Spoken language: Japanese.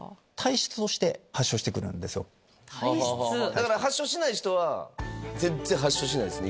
だから発症しない人は全然発症しないですね。